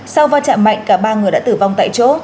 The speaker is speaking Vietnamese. sau va chạm mạnh cả ba người đã tử vong tại chỗ